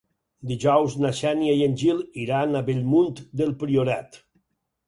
Dijous na Xènia i en Gil iran a Bellmunt del Priorat.